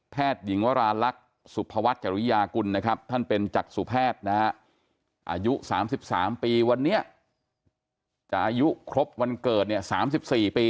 แพทย์หญิงวรารักษ์สุภวัฒน์จริยากุลนะครับ